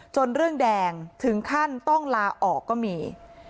เรื่องแดงถึงขั้นต้องลาออกก็มี